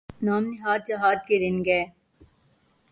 نام نہاد جہاد کے دن گئے۔